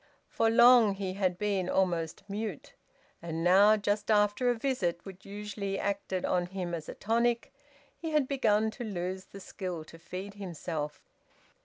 For long he had been almost mute. And now, just after a visit which usually acted upon him as a tonic, he had begun to lose the skill to feed himself.